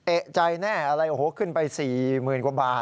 เอกใจแน่อะไรโอ้โหขึ้นไป๔๐๐๐กว่าบาท